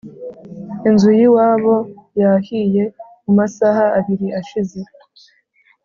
Inzu yiwabo yahiye mumasaaha abiri ashize